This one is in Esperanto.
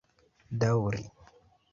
daŭri